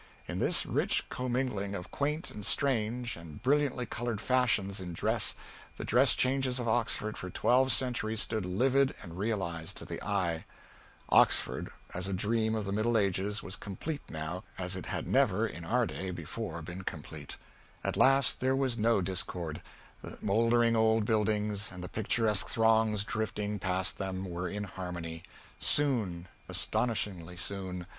In this rich commingling of quaint and strange and brilliantly colored fashions in dress the dress changes of Oxford for twelve centuries stood livid and realized to the eye; Oxford as a dream of the Middle Ages was complete now as it had never, in our day, before been complete; at last there was no discord; the mouldering old buildings, and the picturesque throngs drifting past them, were in harmony; soon astonishingly soon!